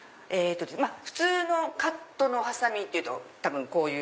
普通のカットのハサミっていうと多分こういう。